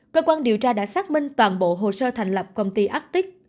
cơ quan điều tra đã xác minh toàn bộ hồ sơ thành lập công ty atic